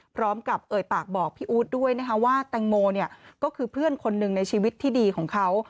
พร้อมกับเอ่ยปากบอกพี่อู๊ดด้วยนะคะว่าแตงโมก็คือเพื่อนคนหนึ่งในชีวิตที่ดีของเขา